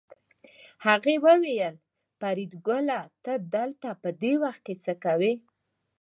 هغه وویل فریدګله ته دلته په دې وخت څه کوې